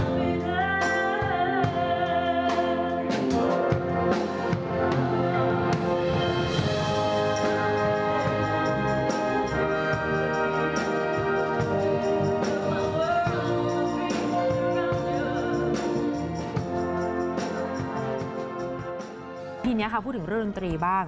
มีที่นี้พูดถึงเรื่องรุนตรีบ้าง